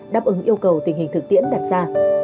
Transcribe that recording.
đáp ứng yêu cầu tình hình thực tiễn đặt ra